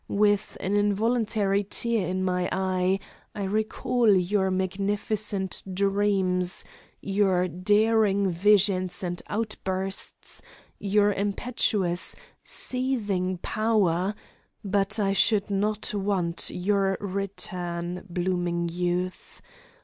With an involuntary tear in my eye I recall your magnificent dreams, your daring visions and outbursts, your impetuous, seething power but I should not want your return, blooming youth!